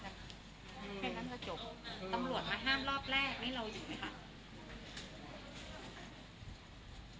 แค่นั้นก็จบ